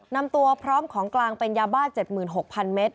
นำตัวพร้อมของกลางเป็นยาบ้าจิดหมื่นหกพันเมตร